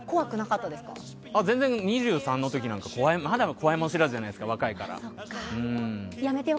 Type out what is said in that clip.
２３の時なんかまだ怖いもの知らずじゃないですか若いから。